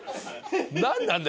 何なんだ？